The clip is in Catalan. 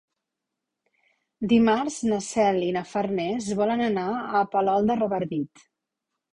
Dimarts na Cel i na Farners volen anar a Palol de Revardit.